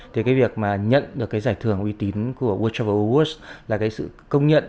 thì cái việc mà nhận được cái giải thưởng uy tín của world travel awards là cái sự công nhận